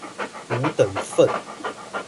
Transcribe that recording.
五等分